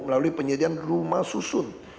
melalui penyediaan rumah susun